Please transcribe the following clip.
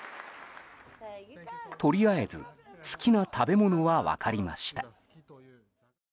とりあえず、好きな食べ物は分かりました。